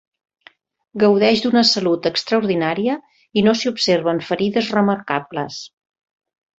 Gaudeix d'una salut extraordinària i no s'hi observen ferides remarcables.